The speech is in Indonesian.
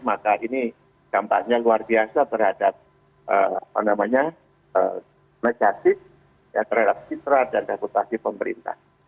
maka ini dampaknya luar biasa terhadap negatif terhadap citra dan reputasi pemerintah